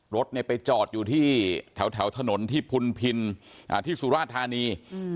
รถไปจอดอยู่ที่แถวถนนที่พุนพินที่สุราธานี